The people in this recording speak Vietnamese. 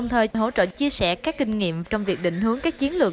thời hỗ trợ chia sẻ các kinh nghiệm trong việc định hướng các chiến lược